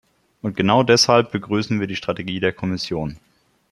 Und genau deshalb begrüßen wir die Strategie der Kommission.